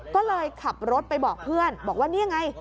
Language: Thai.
ก็เลยขับรถไปบอกเพื่อนบอกว่านี่ไง